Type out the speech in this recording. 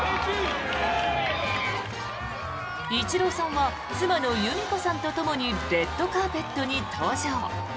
イチローさんは妻の弓子さんとともにレッドカーペットに登場。